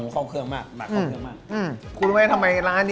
ครั้งหนึ่งทำไมครับ